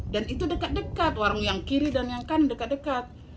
dan itu dekat dekat warung yang kiri dan yang kanan dekat dekat